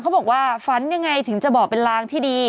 เขาบอกว่าฝันยังไงถึงจะบอกเป็นลางที่ดี